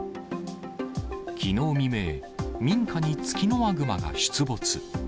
きのう未明、民家にツキノワグマが出没。